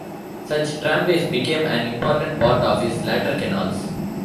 Such tramways became an important part of his later canals.